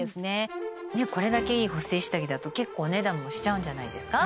これだけいい補整下着だと結構お値段もしちゃうんじゃないですか？